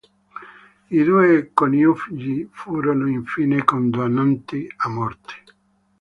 I due coniugi furono infine condannati a morte.